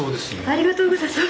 ありがとうございます。